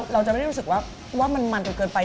เราจะไม่ได้รู้สึกว่ามันจนเกินไป